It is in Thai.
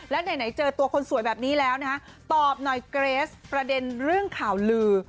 แล้วไหนเจอตัวคนสวยแบบนี้แล้วนะฮะตอบหน่อยเกรสประเด็นเรื่องข่าวลือ